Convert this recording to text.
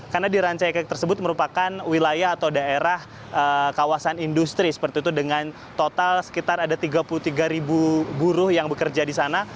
karena di ranca ekek tersebut merupakan wilayah atau daerah kawasan industri seperti itu dengan total sekitar ada tiga puluh tiga buruh yang bekerja di sana